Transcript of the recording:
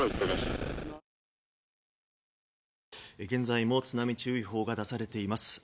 現在も津波注意報が出されています。